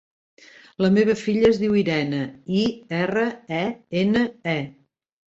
La meva filla es diu Irene: i, erra, e, ena, e.